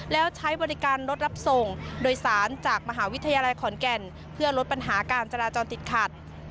แล้วใช้บริการรถรับส่งโดยสารจากมหาวิทยาลัยขอนแก่นเพื่อลดปัญหาการจราจรติดขัด